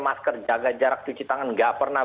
masker jaga jarak cuci tangan gak pernah